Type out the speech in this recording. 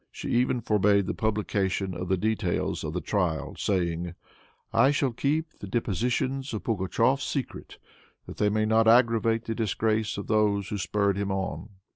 She even forbade the publication of the details of the trial, saying, "I shall keep the depositions of Pugatshef secret, that they may not aggravate the disgrace of those who spurred him on."